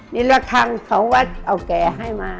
นี่ละทางของวัดเอาแก่ให้มา